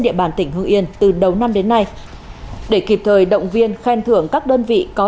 địa bàn tỉnh hương yên từ đầu năm đến nay để kịp thời động viên khen thưởng các đơn vị có